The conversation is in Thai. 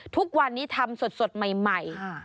ทุกวันนี้ทำสดใหม่